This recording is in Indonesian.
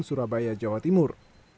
surabaya jawa timur